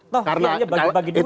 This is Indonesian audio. tuh dia hanya bagi bagi duit